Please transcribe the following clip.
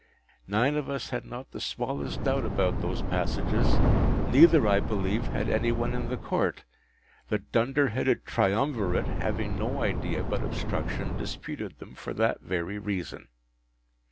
Nine of us had not the smallest doubt about those passages, neither, I believe, had any one in the Court; the dunder headed triumvirate, having no idea but obstruction, disputed them for that very reason.